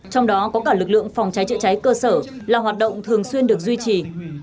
trong đó có cả lực lượng phòng cháy chữa cháy cơ sở là hoạt động thường xuyên được duy trì